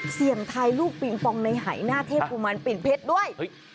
เสี่ยงทายลูกปิงปองในหายหน้าเทพกุมารปิ่นเพชรด้วย